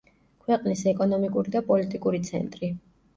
ქვეყნის ეკონომიკური და პოლიტიკური ცენტრი.